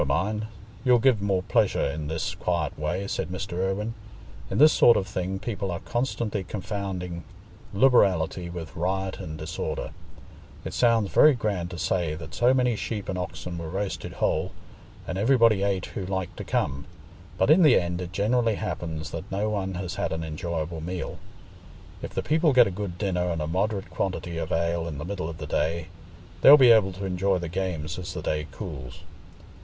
"Never mind, you'll give more pleasure in this quiet way," said Mr. Irwine. "In this sort of thing people are constantly confounding liberality with riot and disorder. It sounds very grand to say that so many sheep and oxen were roasted whole, and everybody ate who liked to come; but in the end it generally happens that no one has had an enjoyable meal. If the people get a good dinner and a moderate quantity of ale in the middle of the day, they'll be able to enjoy the games as the day cools.